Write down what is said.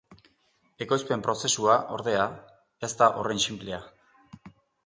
Ekoizpen-prozesua, ordea, ez da horren sinplea.